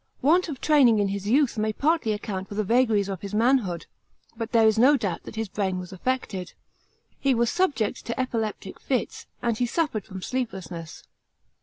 Want of training in his youth may partly account for the vagaries of his manhood ; but there is no duubt that his brain was affected. He was subject to epileptic fits, and he suffered from sleeplessness.